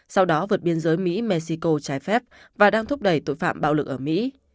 sau đó vượt biên giới mỹ mexico trái phép và đang thúc đẩy tội phạm bạo lực ở mỹ